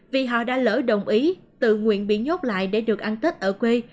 vì họ đã lỡ đồng ý tự nguyện bị nhốt lại để được ăn tết ở quê